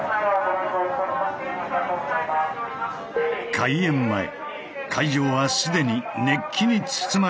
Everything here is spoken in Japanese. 開演前会場は既に熱気に包まれていた。